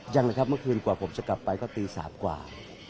ยังเลยครับเมื่อคืนกว่าผมจะกลับไปก็ตี๓กว่า